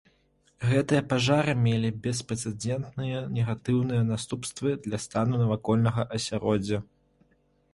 Гэтыя пажары мелі беспрэцэдэнтныя негатыўныя наступствы для стану навакольнага асяроддзя.